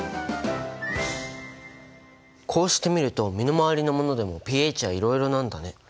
こうしてみると身の回りのものでもｐＨはいろいろなんだね。